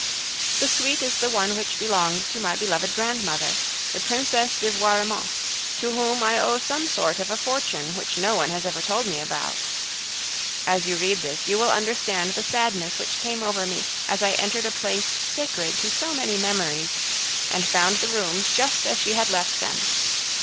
The suite is the one which belonged to my beloved grandmother, the Princess de Vauremont, to whom I owe some sort of a fortune which no one has ever told me about. As you read this, you will understand the sadness which came over me as I entered a place sacred to so many memories, and found the rooms just as she had left them!